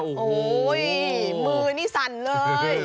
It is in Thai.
โอ้โหมือนี่สั่นเลย